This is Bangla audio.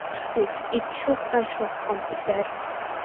প্রস্তুত, ইচ্ছুক আর সক্ষম, স্যার।